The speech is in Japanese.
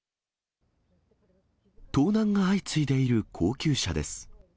盗難が相次いでいる高級車です。